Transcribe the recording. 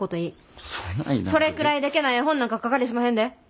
それくらいできなええ台本なんか書かれしまへんで。